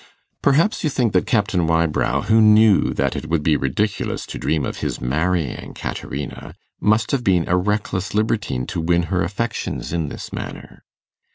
Perhaps you think that Captain Wybrow, who knew that it would be ridiculous to dream of his marrying Caterina, must have been a reckless libertine to win her affections in this manner!